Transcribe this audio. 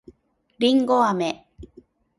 りんごあめ